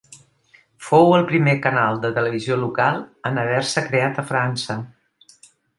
Fou el primer canal de televisió local en haver-se creat a França.